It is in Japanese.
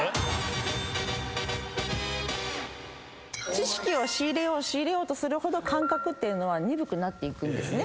知識を仕入れよう仕入れようとするほど感覚は鈍くなっていくんですね。